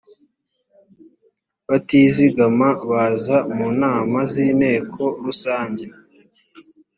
batizigama baza mu nama z inteko rusange